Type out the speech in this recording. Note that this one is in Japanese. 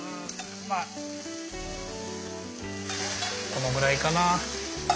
このぐらいかな。